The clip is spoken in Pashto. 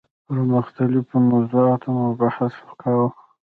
پر مختلفو موضوعاتو مو بحث کاوه.